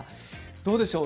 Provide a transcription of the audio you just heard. どうでしょう？